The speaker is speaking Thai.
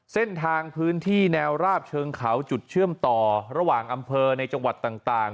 เส้นทางพื้นที่แนวราบเชิงเขาจุดเชื่อมต่อระหว่างอำเภอในจังหวัดต่าง